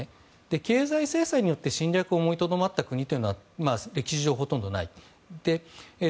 経済制裁によって侵略を思いとどまった国は歴史上ほとんどない。